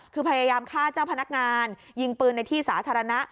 คือพยายามฆ่าเจ้าพนักงานยิงปืนในที่สาธารณะ